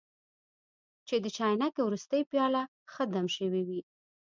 چې د چاینکې وروستۍ پیاله ښه دم شوې وي.